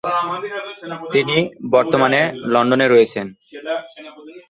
তিনি বর্তমানে লন্ডনে রয়েছেন।